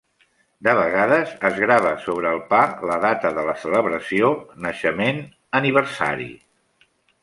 De vegades es grava sobre el pa la data de la celebració, naixement, aniversari.